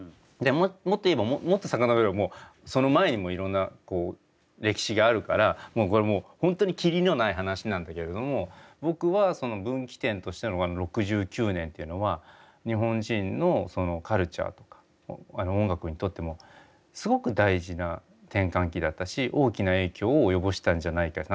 もっと言えばもっと遡ればその前にもいろんな歴史があるからこれもうホントに切りのない話なんだけれども僕は分岐点としての６９年っていうのは日本人のカルチャーとか音楽にとってもすごく大事な転換期だったし大きな影響を及ぼしたんじゃないかな。